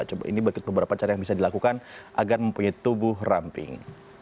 coba ini berikut beberapa cara yang bisa dilakukan agar mempunyai tubuh ramping